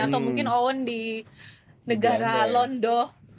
atau mungkin oon di negara londo